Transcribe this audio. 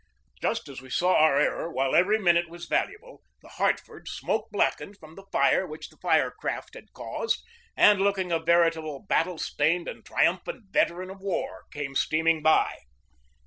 Just as we saw our error, while every minute was valuable, the Hartford, smoke blackened from the fire which the fire craft had caused, and looking a veritable battle stained and triumphant veteran of war, came steaming by.